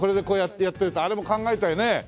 あれも考えたよね。